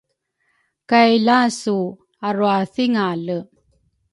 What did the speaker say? kay lasu arwathingale.